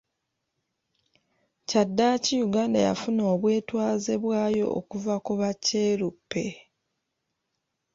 Kyaddaaki Uganda yafuna obwetwaze bwayo okuva ku Bakyeruppe.